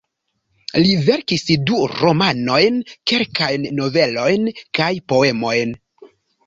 Li verkis du romanojn, kelkajn novelojn kaj poemojn.